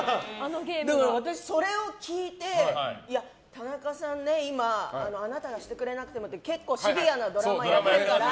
私それを聞いていや、田中さんね、今「あなたがしてくれなくても」結構シビアなドラマやっているから。